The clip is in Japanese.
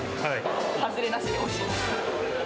外れなしでおいしいです。